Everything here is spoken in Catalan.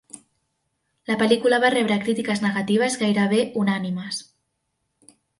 La pel·lícula va rebre critiques negatives gairebé unànimes.